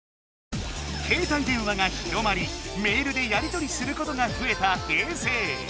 携帯電話が広まりメールでやりとりすることがふえた平成。